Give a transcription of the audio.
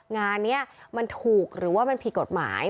งานนี้มันถูกหรือว่ามันผิดกฎหมาย